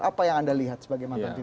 apa yang anda lihat sebagai mantan pimpinan